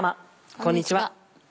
こんにちは。